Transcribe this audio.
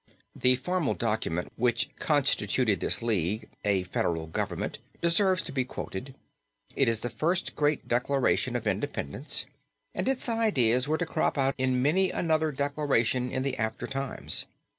The formal document which constituted this league a federal government deserves to be quoted. It is the first great declaration of independence, and its ideas were to crop out in many another declaration in the after times.